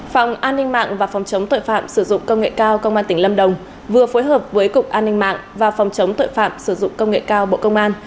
phòng an ninh mạng và phòng chống tội phạm sử dụng công nghệ cao công an tỉnh lâm đồng vừa phối hợp với cục an ninh mạng và phòng chống tội phạm sử dụng công nghệ cao bộ công an